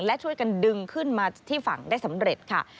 และช่วยกันดึงขึ้นมาที่ฝั่งได้สำเร็จค่ะ